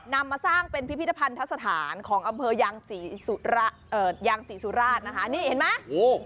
นำมาสร้างเป็นพิพิธภัณฑสถานของอำเภอยางศรีสุราชนะคะนี่เห็นไหม